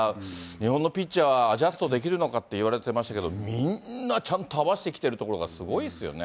日本のピッチャーはアジャストできるのかっていわれてましたけど、みんなちゃんと合わせてきてるところがすごいですよね。